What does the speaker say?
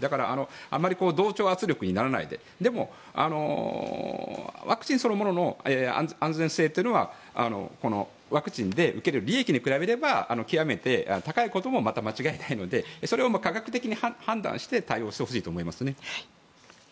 だから、あまり同調圧力にならないででも、ワクチンそのものの安全性というのはワクチンで受ける利益に比べれば極めて高いこともまた間違いないのでそれを多角的に判断して対応してほしいと思いますね。